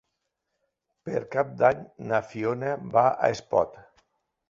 Per Cap d'Any na Fiona va a Espot.